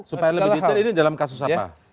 supaya lebih detail ini dalam kasus apa